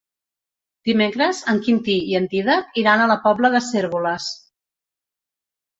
Dimecres en Quintí i en Dídac iran a la Pobla de Cérvoles.